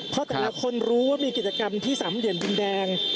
เพราะแต่ละคนรู้ว่ามีกิจกรรมที่สามเหลี่ยมดินแดง